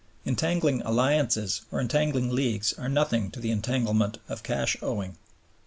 Entangling alliances or entangling leagues are nothing to the entanglements of cash owing.